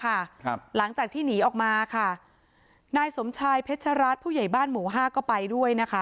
ครับหลังจากที่หนีออกมาค่ะนายสมชายเพชรัตน์ผู้ใหญ่บ้านหมู่ห้าก็ไปด้วยนะคะ